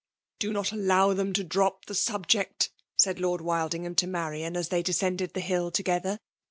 Do not allow them to drop the subject,*" said Lord Wildingham to Marian, as they descended the hill together.